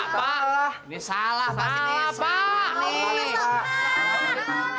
pak pak ini salah pasti pak